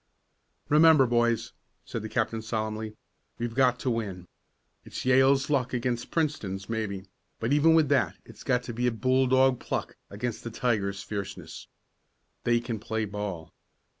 "Remember, boys," said the captain solemnly, "we've got to win. It's Yale's luck against Princeton's maybe, but even with that it's got to be bulldog pluck against the tiger's fierceness. They can play ball."